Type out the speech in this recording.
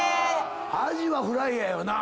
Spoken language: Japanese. アジはフライやよなぁ。